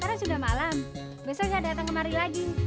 sekarang sudah malam besoknya dateng kemari lagi